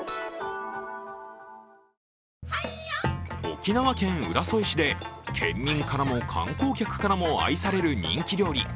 沖縄県浦添市で県民からも観光客からも愛される人気料理